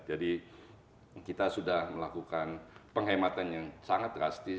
jadi kita sudah melakukan penghematan yang sangat drastis